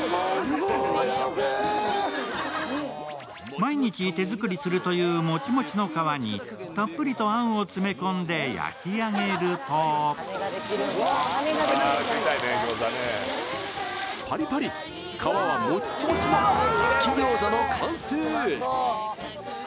毎日手作りするというモチモチの皮にたっぷりとあんを詰め込んで焼き上げるとパリパリ、皮はモッチモチの焼きギョーザの完成。